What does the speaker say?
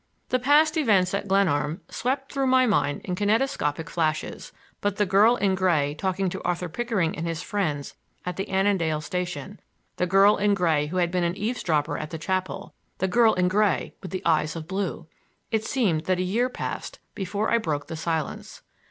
The past events at Glenarm swept through my mind in kinetoscopic flashes, but the girl in gray talking to Arthur Pickering and his friends at the Annandale station, the girl in gray who had been an eavesdropper at the chapel,—the girl in gray with the eyes of blue! It seemed that a year passed before I broke the silence.